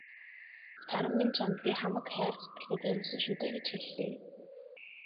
"Саран минь чамд би хамаг хайр сэтгэлээ зориулсан шүү дээ" гэж хэллээ.